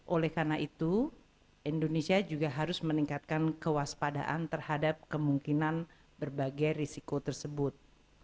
oleh karena itu indonesia juga harus meningkatkan kewaspadaan terhadap kemungkinan berbagai risiko tersebut